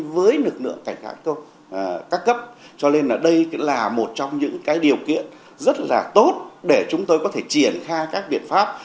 với lực lượng cảnh khai các cấp cho nên đây là một trong những điều kiện rất là tốt để chúng tôi có thể triển khai các biện pháp